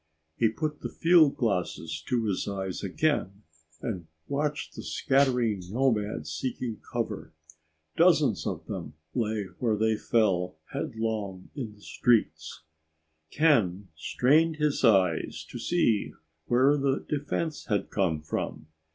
He put the fieldglasses to his eyes again and watched the scattering nomads seeking cover. Dozens of them lay where they fell headlong in the streets. Ken strained his eyes to see where the defense had come from.